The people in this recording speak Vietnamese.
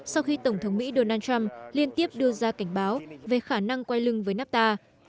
sau khi tổng thống mỹ donald trump liên tiếp đưa ra cảnh báo về khả năng quay lưng với nafta